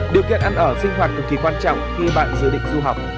điều kiện ăn ở sinh hoạt cực kỳ quan trọng khi bạn dự định du học